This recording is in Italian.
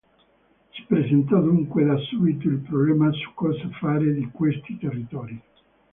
Si presentò dunque da subito il problema su cosa fare di questi territori.